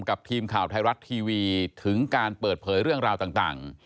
กับทีมข่าวไทยรัฐทีวีถึงการเปิดเผยเรื่องราวต่าง